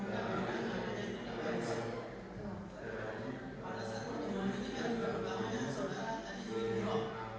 kemudian memakai baju style